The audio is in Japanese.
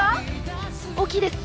大きいです